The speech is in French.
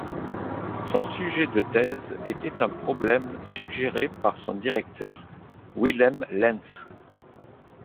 Son sujet de thèse était un problème suggéré par son directeur, Wilhelm Lenz.